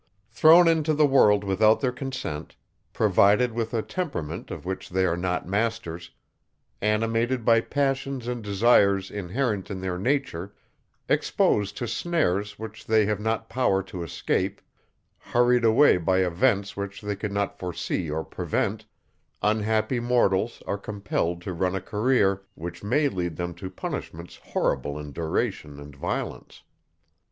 Thrown into the world without their consent, provided with a temperament of which they are not masters, animated by passions and desires inherent in their nature, exposed to snares which they have not power to escape, hurried away by events which they could not foresee or prevent, unhappy mortals are compelled to run a career, which may lead them to punishments horrible in duration and violence.